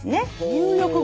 入浴後。